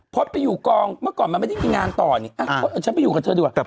ไปอยู่กองเมื่อก่อนมันไม่ได้มีงานต่อนี่ฉันไปอยู่กับเธอดีกว่า